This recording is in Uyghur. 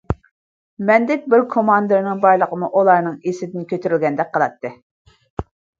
مەندەك بىر كوماندىرنىڭ بارلىقىمۇ ئۇلارنىڭ ئېسىدىن كۆتۈرۈلگەندەك قىلاتتى.